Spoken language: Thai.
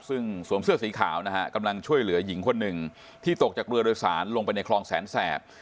ซึ่งสวมเสื้อสีขาวนะฮะกำลังช่วยเหลือหญิงคนหนึ่งที่ตกจากเรือโดยสารลงไปในคลองแสนแสบ